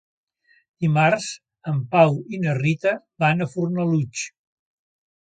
Dimarts en Pau i na Rita van a Fornalutx.